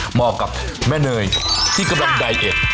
เหมาะกับแม่เนยที่กำลังไดเอ็ด